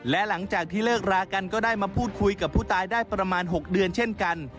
และหลังจากที่เลิกรากันก็ได้มาพูดคุยกับผู้ตายได้ประมาณ๖เดือนเช่นกัน